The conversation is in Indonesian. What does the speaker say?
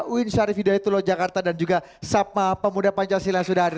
uin syarif hidayatullah jakarta dan juga sabma pemuda pancasila sudari